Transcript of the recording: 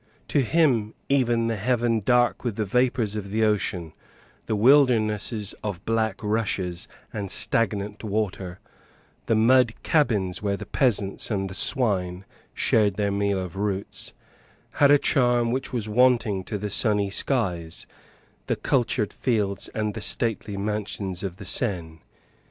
To him even the heaven dark with the vapours of the ocean, the wildernesses of black rushes and stagnant water, the mud cabins where the peasants and the swine shared their meal of roots, had a charm which was wanting to the sunny skies, the cultured fields and the stately mansions of the Seine.